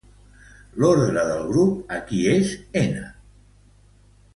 L'ordre del grup aquí és "n"!